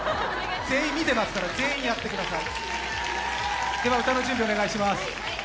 見てますから全員やってください。